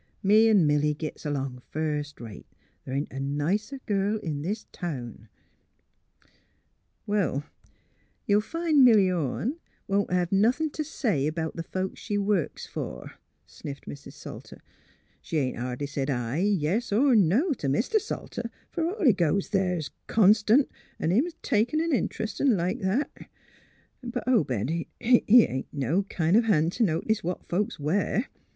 "Me 'n' Milly gits along first rate. Th' ain't a nicer girl in this town." 176 THE HEAET OF PHILURA *' Well, you'll find Milly Orne won't hev nothin* t' say 'bout th' folks she works for," sniffed Mrs. Salter. '' She ain't hardly said aye, yes er no t' Mr. Salter, fer all he goes there s' constant, an' him takin' an int'rest, an' like that. But Obed he ain't no kind of hand t' notice what folks wear.